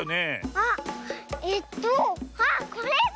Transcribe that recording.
あっえっとあっこれだ！